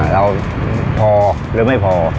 เราพอหรือไม่พอ